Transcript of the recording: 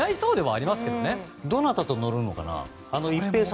どなたと乗るのかな。